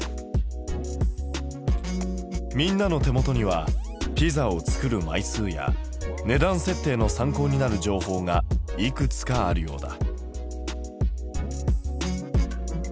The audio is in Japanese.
みんなの手元にはピザを作る枚数や値段設定の参考になる情報がいくつかあるようだ。